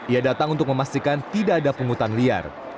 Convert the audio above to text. ia datang untuk memastikan tidak ada pungutan liar